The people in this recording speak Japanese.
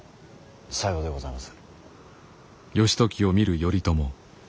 さようでございます。